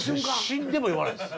死んでも言わないです。